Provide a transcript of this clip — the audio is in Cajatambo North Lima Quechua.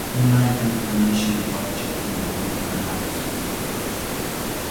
Unayqa manashi wakcha nunakuna kanaqtsu.